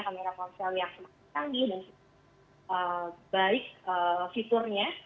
kamera ponsel yang semangat tanggi dan baik fiturnya